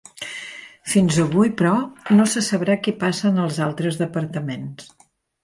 Fins avui, però, no se sabrà què passa en els altres departaments.